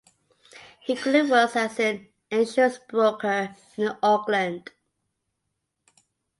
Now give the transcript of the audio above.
He currently works as an insurance broker in Auckland.